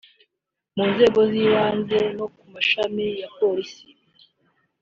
mu nzego z’ibanze no ku mashami ya polisi